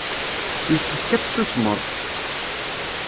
Yessefk ad tsusmeḍ.